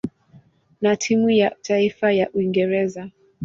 na timu ya taifa ya Uingereza.